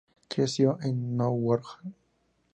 Creció en Norwalk.